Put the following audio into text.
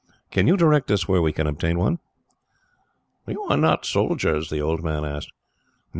"Can you direct us where we can obtain one?" "You are not soldiers?" the old man asked. "No.